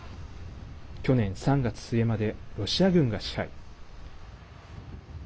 去年３月末までロシア軍が支配。